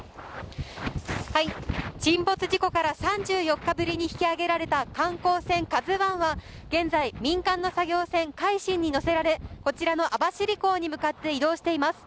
沈没事故から３４日ぶりに引き揚げられた観光船「ＫＡＺＵ１」は現在、民間の作業船「海進」に載せられこちらの網走港に向かって移動しています。